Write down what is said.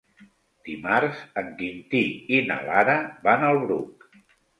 Dimarts en Quintí i na Lara van al Bruc.